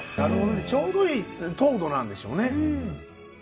ちょうどいい糖度なんでしょうね。